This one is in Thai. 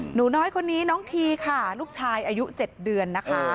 หนูน้อยคนนี้น้องทีค่ะลูกชายอายุ๗เดือนนะคะ